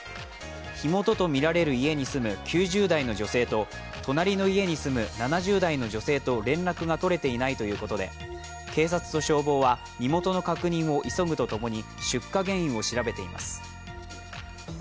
火元とみられる家に住む９０代の女性と隣の家に住む７０代の女性と連絡が取れていないということで警察と消防は身元の確認を急ぐとともに出火原因を調べています。